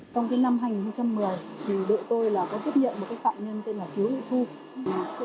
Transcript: trong năm hai nghìn một mươi đội tôi có tiếp nhận một phạm nhân tên là thiếu thị thu